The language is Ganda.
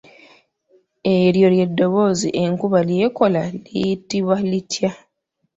Eryo ly’eddoboozi enkuba ly’ekola liyitibwa litya?